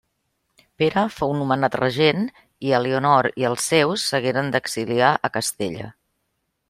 Pere fou nomenat regent i Elionor i els seus s'hagueren d'exiliar a Castella.